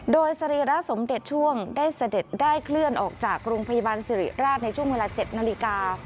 โดยสรีระสมเด็จช่วงได้เสด็จได้เคลื่อนออกจากโรงพยาบาลสิริราชในช่วงเวลา๗นาฬิกา